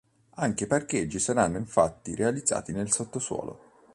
Anche i parcheggi saranno infatti realizzati nel sottosuolo.